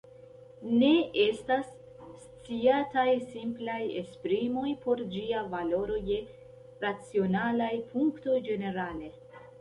Ne estas sciataj simplaj esprimoj por ĝia valoro je racionalaj punktoj ĝenerale.